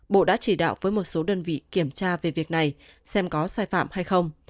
bộ đã chỉ đạo với một số đơn vị kiểm tra về việc này xem có sai phạm hay không